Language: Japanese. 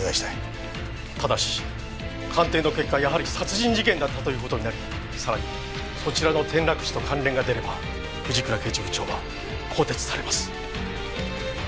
ただし鑑定の結果やはり殺人事件だったという事になりさらにそちらの転落死と関連が出れば藤倉刑事部長は更迭されます。